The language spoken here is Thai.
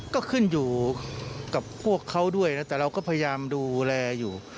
ก็ขึ้นอยู่กับพวกเขาด้วยนะแต่เราก็พยายามดูแลอยู่